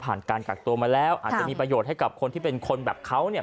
การกักตัวมาแล้วอาจจะมีประโยชน์ให้กับคนที่เป็นคนแบบเขาเนี่ย